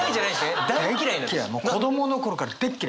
子どもの頃から大っ嫌い！